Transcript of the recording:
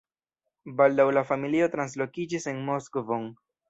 Baldaŭ la familio translokiĝis en Moskvon.